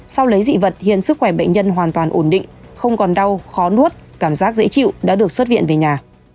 sau lấy dị vật hiện sức khỏe bệnh nhân hoàn toàn ổn định không còn đau khó nuốt cảm giác dễ chịu đã được xuất viện về nhà